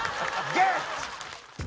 ゲッツ！